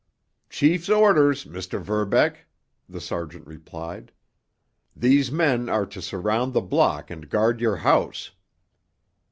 "Chief's orders, Mr. Verbeck," the sergeant replied. "These men are to surround the block and guard your house."